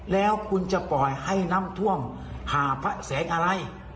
แล้วคุณจะปล่อยให้น้ำท่วมหาพระแสงอะไร